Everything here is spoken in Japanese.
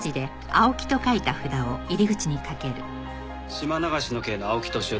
島流しの刑の青木年男です。